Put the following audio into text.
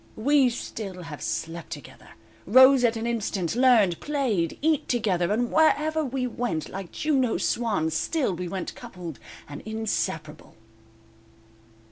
_"We still have slept together, Rose at an instant, learned, played, eat together, And wherever we went like Juno's swans, Still we went coupled, and inseparable."